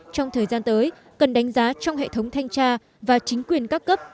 trong thời gian tới cần đánh giá trong hệ thống thanh tra và chính quyền các cấp